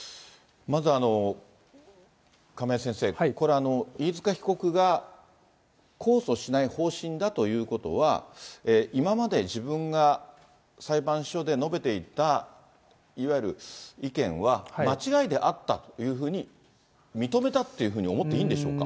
まず亀井先生、これ、飯塚被告が控訴しない方針だということは、今まで自分が裁判所で述べていた、いわゆる意見は間違いであったというふうに認めたっていうふうに思っていいんでしょうか。